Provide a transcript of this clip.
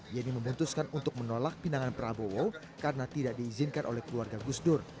yeni memutuskan untuk menolak pinangan prabowo karena tidak diizinkan oleh keluarga gusdur